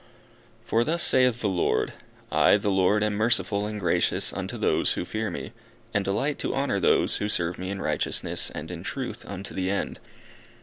"For thus saith the Lord, I, the Lord, am merciful and gracious unto those who fear me, and delight to honour those who serve me in righteousness and in truth unto the end.